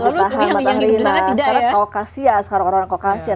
sekarang matahari indonesia sekarang kokasia